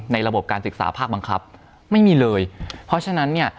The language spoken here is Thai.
ระบบการศึกษาภาคบังคับไม่มีเลยเพราะฉะนั้นเนี่ย